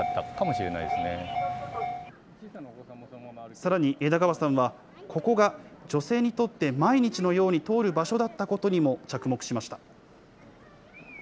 さらに枝川さんは、ここが女性にとって、毎日のように通る場所だったことにも着目しました。